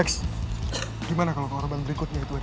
lex gimana kalo korban berikutnya itu ada